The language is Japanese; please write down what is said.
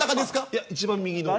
いや一番、右の。